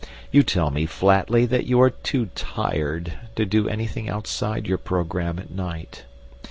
You tell me flatly that you are too tired to do anything outside your programme at night.